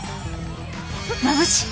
まぶしっ！